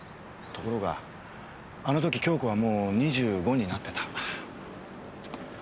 ところがあの時杏子はもう２５になってた。